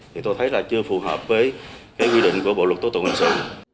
thì tôi thấy là chưa phù hợp với cái quy định của bộ luật tố tụng hình sự